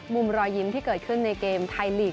มุมรอยยิ้มที่เกิดขึ้นในเกมไทยลีก